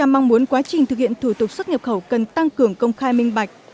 bốn mươi năm mong muốn quá trình thực hiện thủ tục xuất nghiệp khẩu cần tăng cường công khai minh bạch